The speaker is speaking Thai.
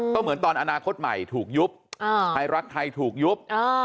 ก็เหมือนตอนอนาคตใหม่ถูกยุบไทยรักไทยถูกยุบ